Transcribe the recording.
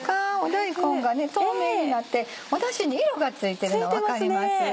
大根が透明になってだしに色がついてるの分かります？